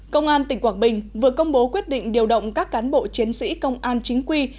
công an tỉnh quảng bình vừa công bố quyết định điều động các cán bộ chiến sĩ công an chính quy